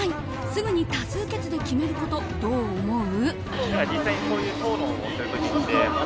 すぐに多数決で決めることどう思う？